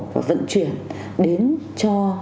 và vận chuyển đến cho